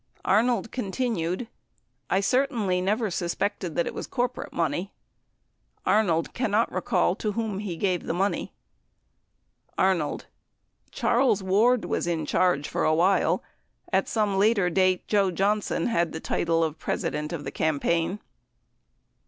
Arnold continued, "I certainly never suspected it was corporate money." 85 Arnold cannot recall to whom he gave the money. Arnold. Charles Ward was in charge for a while. At some later date, Joe Johnson had the title of President of the cam paign.